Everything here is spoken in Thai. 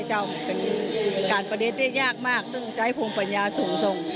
เป็นการประดิษฐ์ที่ยากมากต้องใช้ภูมิปัญญาสูง